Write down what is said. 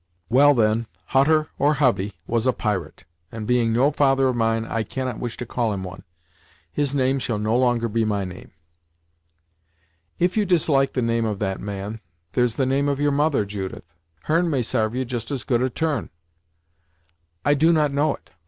"Well, then, Hutter, or Hovey, was a pirate, and being no father of mine, I cannot wish to call him one. His name shall no longer be my name." "If you dislike the name of that man, there's the name of your mother, Judith. Her'n may sarve you just as good a turn." "I do not know it.